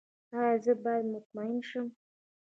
ایا زه باید مطمئن شم؟